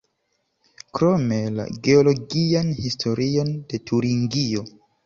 Krome la geologian historion de Turingio.